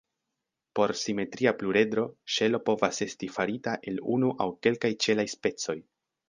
Por simetria pluredro, ŝelo povas esti farita el unu aŭ kelkaj ĉelaj specoj.